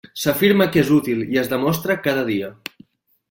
S'afirma que és útil, i es demostra cada dia.